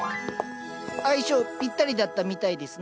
相性ぴったりだったみたいですね。